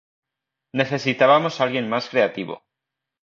Necesitábamos alguien más creativo".